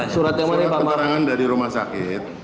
surat keterangan dari rumah sakit